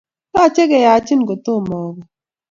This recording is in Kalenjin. Yochei keyanchin kotomo obe